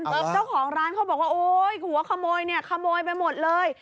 เจ้าของร้านเขาบอกว่าโอ๊ยหัวขโมยเนี่ยขโมยไปหมดเลย